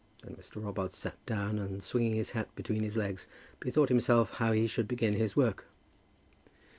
Then Mr. Robarts sat down, and, swinging his hat between his legs, bethought himself how he should begin his work.